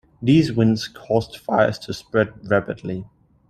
These winds caused fires to spread rapidly.